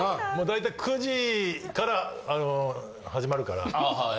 大体９時から始まるから。